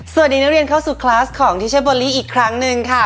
นักเรียนเข้าสู่คลาสของทิเชโบลี่อีกครั้งหนึ่งค่ะ